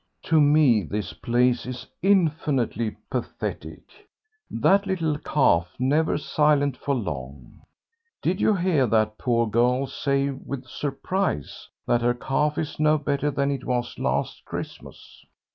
"To me this place is infinitely pathetic. That little cough never silent for long. Did you hear that poor girl say with surprise that her cough is no better than it was last Christmas?"